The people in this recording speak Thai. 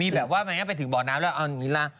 มีแบบว่าไปถึงบ่อน้ำแล้วเอาอย่างงี้ล่ะ